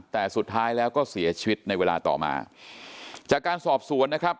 แต่สุดท้ายแล้วก็เสียชีวิตในเวลาต่อมาจากการสอบสวนนะครับ